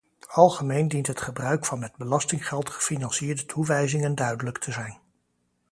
Algemeen dient het gebruik van met belastinggeld gefinancierde toewijzingen duidelijk te zijn.